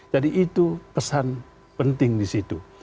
jadi itu pesan penting disitu